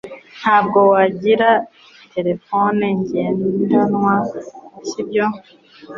Ntabwo wagira terefone ngendanwa, sibyo?